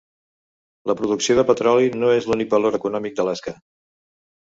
La producció de petroli no és l'únic valor econòmic d'Alaska.